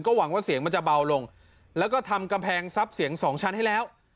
หวังว่าเสียงมันจะเบาลงแล้วก็ทำกำแพงซับเสียงสองชั้นให้แล้ว